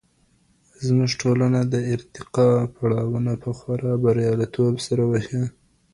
زموږ ټولنه د ارتقا پړاوونه په خورا برياليتوب سره وهي.